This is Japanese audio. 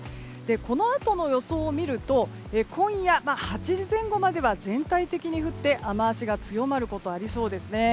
このあとの予想を見ると今夜８時前後までは全体的に降って、雨脚が強まることがありそうです。